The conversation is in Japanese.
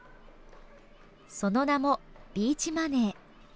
その名も、ビーチマネー。